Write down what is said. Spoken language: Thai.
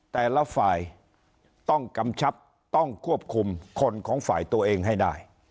แต่ละฝ่ายต้องกำชับต้องควบคุมคนของฝ่ายตัวเองให้ได้